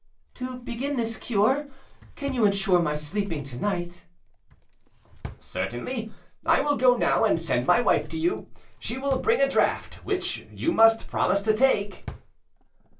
"To begin this cure, can you ensure my sleeping to night?" "Certainly. I will go now, and send my wife to you. She will bring a draught, which you must promise to take."